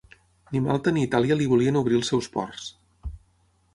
Ni Malta ni Itàlia li volien obrir els seus ports.